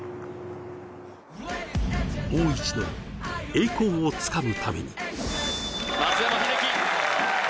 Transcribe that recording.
もう一度、栄光をつかむ旅に。